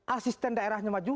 asisten daerahnya maju